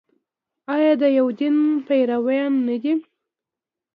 آیا د یو دین پیروان نه دي؟